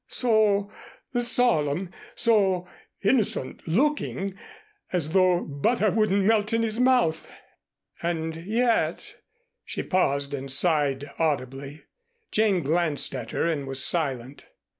So solemn, so innocent looking, as though butter wouldn't melt in his mouth, and yet " she paused and sighed audibly. Jane glanced at her and was silent.